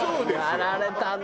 やられたな。